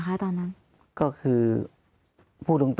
ปกติโตก็คือพูดตรงนะว่า